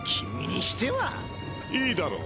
いいだろう。